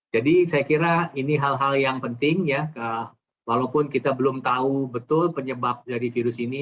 jadi saya kira ini hal hal yang penting walaupun kita belum tahu betul penyebab dari virus ini